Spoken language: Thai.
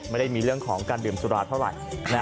ไม่ได้มีเรื่องของการดื่มสุราเท่าไหร่